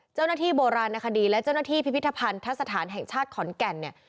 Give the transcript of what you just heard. เจ้าหน้าที่โบราณคดีและเจ้าหน้าที่พิพิธภัณฑสถานแห่งชาติขอนแก่นเนี่ย